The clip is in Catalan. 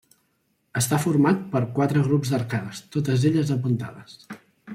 Està format per quatre grups d'arcades, totes elles apuntades.